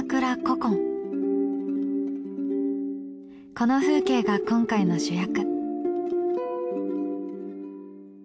この風景が今回の主役。